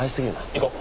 行こう。